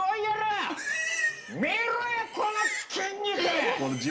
見ろやこの筋肉！